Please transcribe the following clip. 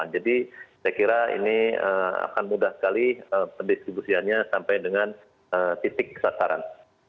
jadi saya kira ini akan mudah sekali pendistribusiannya sampai dengan titik kesataran